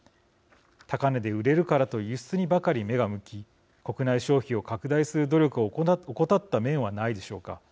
高値で売れるからと輸出にばかり目が向き国内消費を拡大する努力を怠った面はないでしょうか。